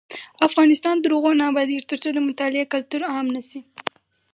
افغانستان تر هغو نه ابادیږي، ترڅو د مطالعې کلتور عام نشي.